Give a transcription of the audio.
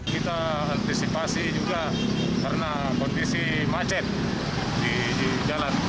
kita antisipasi juga karena kondisi macet di jalan